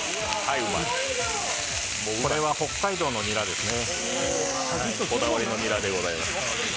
これは北海道のニラですね。